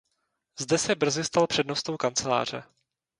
Zde se brzy stal přednostou kanceláře.